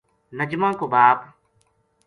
نجمہ کو باپ